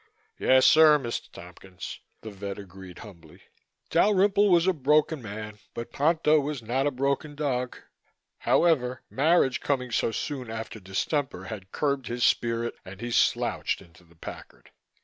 "Yes, sir, Mr. Tompkins," the vet agreed humbly. Dalrymple was a broken man but Ponto was not a broken dog. However, marriage coming so soon after distemper had curbed his spirit and he slouched into the Packard.